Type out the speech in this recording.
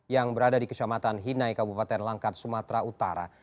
yang berada di kecamatan hinai kabupaten langkat sumatera utara